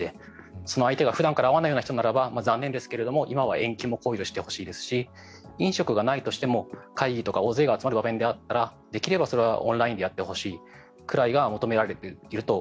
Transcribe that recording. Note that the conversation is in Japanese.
その相手が普段から会わない人なら今は遠慮してほしいですし飲食がないとしても会議とか大勢が集まる場面ならできればオンラインでやってほしいくらいが求められていると。